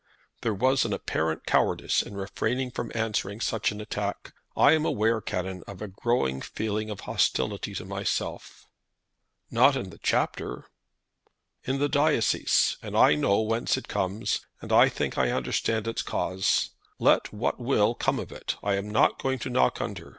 "There was an apparent cowardice in refraining from answering such an attack. I am aware, Canon, of a growing feeling of hostility to myself." "Not in the Chapter?" "In the diocese. And I know whence it comes, and I think I understand its cause. Let what will come of it I am not going to knock under.